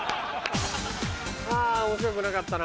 あぁ面白くなかったな。